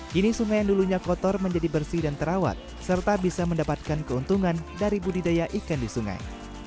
kini sungai yang dulunya kotor menjadi bersih dan terawat serta bisa mendapatkan keuntungan dari budidaya ikan di sungai